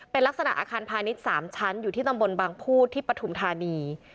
เป็นลักษณะอาคารพาณิชย์๓ชั้นอยู่ที่ตำบลบางพูดที่ปฐุมธานี